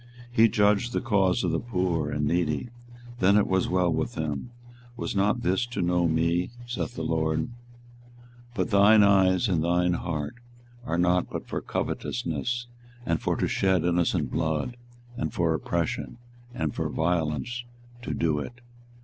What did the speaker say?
24:022:016 He judged the cause of the poor and needy; then it was well with him: was not this to know me? saith the LORD. 24:022:017 But thine eyes and thine heart are not but for thy covetousness, and for to shed innocent blood, and for oppression, and for violence, to do it.